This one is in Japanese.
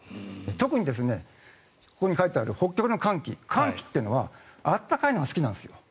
特にここに書いてある北極の寒気寒気というのは暖かいのが好きなんです。